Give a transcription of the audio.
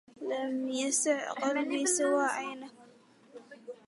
لم يسع قلبي سوى عينيك